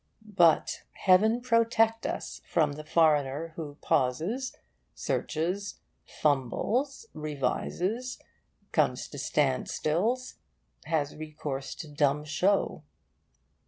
But heaven protect us from the foreigner who pauses, searches, fumbles, revises, comes to standstills, has recourse to dumb show!